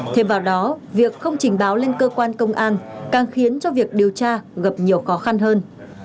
thêm vào đó việc không trình báo lên cơ quan công an càng khiến cho việc điều tra gặp nhiều khó khăn hơn